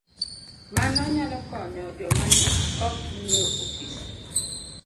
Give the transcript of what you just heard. Mano nyalo konyo joma ok nie ofis